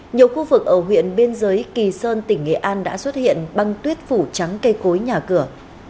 nhiều khu vực ở huyện biên giới kỳ sơn tỉnh nghệ an đã xuất hiện băng tuyết phủ trắng cây cối nhà cửa